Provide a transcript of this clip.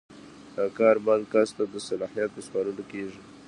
دا کار بل کس ته د صلاحیت په سپارلو کیږي.